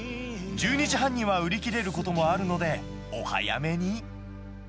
１２時半には売り切れることもあるので、お早めに。